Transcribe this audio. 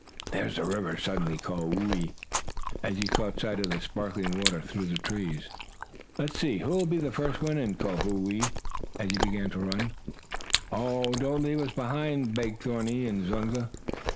"There's the river!" suddenly called Whoo ee, as he caught sight of the sparkling water through the trees. "Let's see who'll be the first one in!" called Whoo ee, as he began to run. "Oh, don't leave us behind," begged Thorny and Zunga.